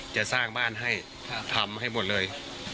จะสร้างบ้านให้ทำให้หมดเลย